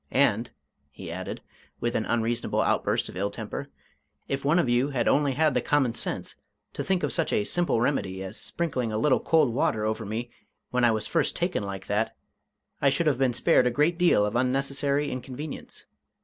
And," he added, with an unreasonable outburst of ill temper, "if one of you had only had the common sense to think of such a simple remedy as sprinkling a little cold water over me when I was first taken like that, I should have been spared a great deal of unnecessary inconvenience.